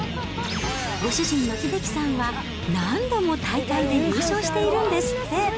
ご主人の秀樹さんは何度も大会で優勝しているんですって。